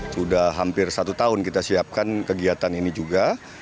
sudah hampir satu tahun kita siapkan kegiatan ini juga